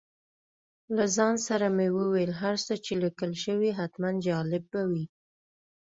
له ځان سره مې وویل هر څه چې لیکل شوي حتماً جالب به وي.